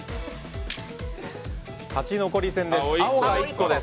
勝ち残り戦です。